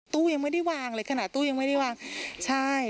ตู้ยังไม่ได้วางเลยขนาดตู้ยังไม่ได้วางใช่